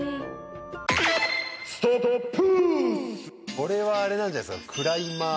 これはあれなんじゃないですか。